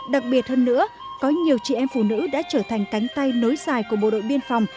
đặc biệt hơn nữa có nhiều chị em phụ nữ đã trở thành cánh tay nối dài của bộ đội biên phòng